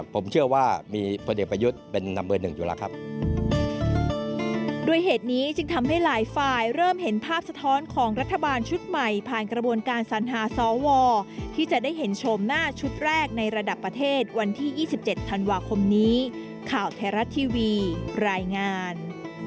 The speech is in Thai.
ผมเชื่อว่ามีพลเอกประยุทธ์เป็นนำเบอร์หนึ่งอยู่แล้วครับ